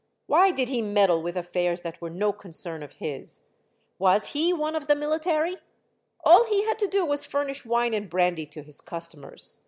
Why did he meddle with affairs that were no concern of his? Was he one of the military? All he had to do was to furnish wine and brandy to his customers.